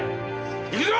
行くぞ！